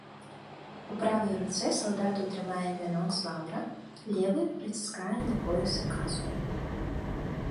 У правай руцэ салдатаў трымае вянок з лаўра, левай прыціскае да пояса каску.